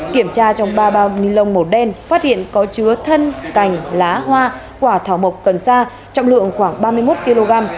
kiểm tra trong ba bao ni lông màu đen phát hiện có chứa thân cành lá hoa quả thảo mộc cần sa trọng lượng khoảng ba mươi một kg